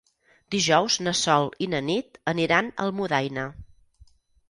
Dijous na Sol i na Nit aniran a Almudaina.